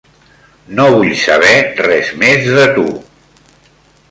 No vull saber res més de tu.